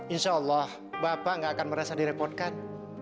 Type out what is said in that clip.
insya allah bapak gak akan merasa direpotkan